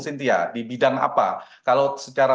cynthia di bidang apa kalau secara